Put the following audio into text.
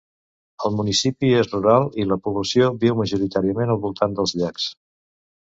El municipi és rural i la població viu majoritàriament al voltant dels llacs.